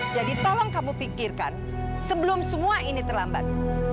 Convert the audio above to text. jadi tolong kamu pikirkan sebelum semua ini terlambat